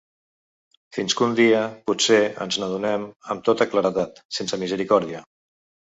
Fins que un dia potser ens n’adonem amb tota claredat, sense misericòrdia.